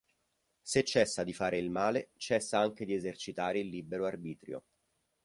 Se cessa di fare il male, cessa anche di esercitare il libero arbitrio.